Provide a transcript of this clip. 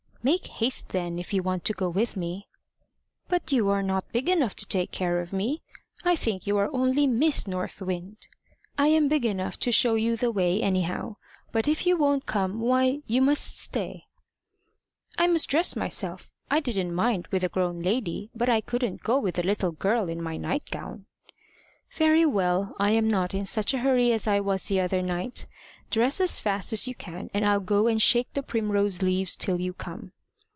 "Make haste, then, if you want to go with me." "But you are not big enough to take care of me. I think you are only Miss North Wind." "I am big enough to show you the way, anyhow. But if you won't come, why, you must stay." "I must dress myself. I didn't mind with a grown lady, but I couldn't go with a little girl in my night gown." "Very well. I'm not in such a hurry as I was the other night. Dress as fast as you can, and I'll go and shake the primrose leaves till you come."